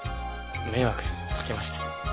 迷惑かけました。